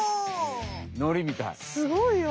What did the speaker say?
すごいわ！